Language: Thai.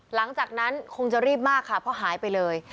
หลังจากนั้นคงจะรีบมากค่ะเพราะหายไปเลย